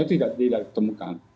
itu tidak diketemukan